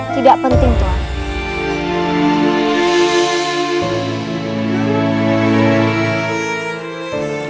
tidak penting tuhan